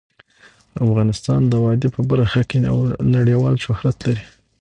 افغانستان د وادي په برخه کې نړیوال شهرت لري.